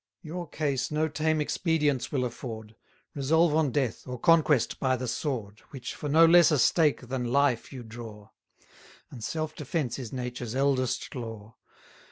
Your case no tame expedients will afford: Resolve on death, or conquest by the sword, Which for no less a stake than life you draw; And self defence is nature's eldest law.